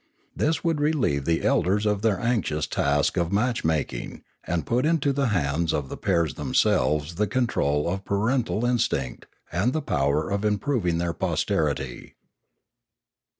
This would relieve the elders of their anxious task of match making, and put into the hands of the pairs themselves the control of the parental instinct and the power of improving their posterity.